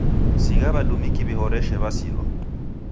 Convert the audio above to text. Sigha w'adumiki w'ihoreshe, w'asilwa.